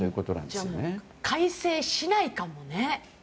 じゃあ改正しないかもね。